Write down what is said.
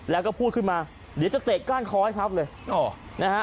แล้วก็พูดขึ้นมาเดี๋ยวจะเตะก้านคอให้พับเลยอ๋อนะฮะ